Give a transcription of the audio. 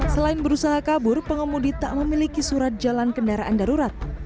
selain berusaha kabur pengemudi tak memiliki surat jalan kendaraan darurat